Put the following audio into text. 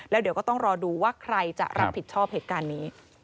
แล้วเดี๋ยวก็ต้องรอดูว่าใครจะรับผิดชอบเหตุการณ์นี้